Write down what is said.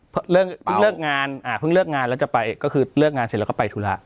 เพิ่งเลือกงานแล้วจะไปก็คือเลือกงานเสร็จแล้วก็ไปธุระ